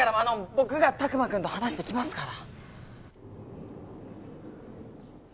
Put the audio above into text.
僕が拓磨くんと話してきますから。